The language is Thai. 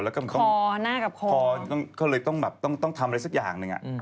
จริงก็เลยต้องบาปต้องต้องทำอะไรสักอย่างหนึ่ง